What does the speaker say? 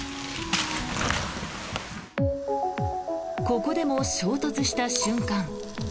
ここでも、衝突した瞬間